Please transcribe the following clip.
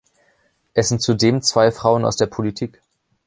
Es sind zudem zwei Frauen aus der Politik.